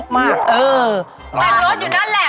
มันเป็นอะไร